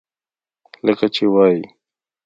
لکه چې وائي: